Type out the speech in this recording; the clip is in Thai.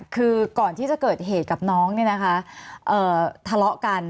คือก่อนที่จะเกิดเหตุกับน้องเนี่ยนะคะทะเลาะกัน